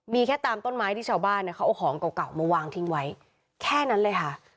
มีแค่ตามต้นไม้ที่ชาวบ้านเนี่ยเขาเอาของเก่ามาวางทิ้งไว้แค่นั้นเลยค่ะ